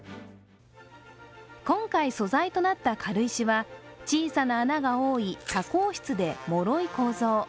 今回、素材となった軽石は小さな穴が多い多孔質で、もろい構造。